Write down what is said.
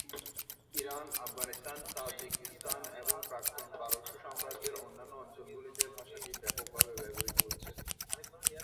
Iran, Afghanistan, Tajikistan এবং প্রাক্তন পারস্য সাম্রাজ্যের অন্যান্য অঞ্চলগুলিতে ভাষাটি ব্যাপকভাবে ব্যবহৃত হচ্ছে।